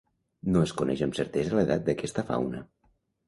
No es coneix amb certesa l'edat d'aquesta fauna.